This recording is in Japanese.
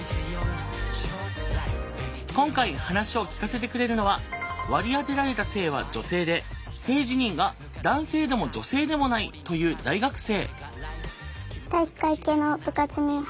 今回話を聞かせてくれるのは「割り当てられた性は女性で性自認が男性でも女性でもない」という大学生。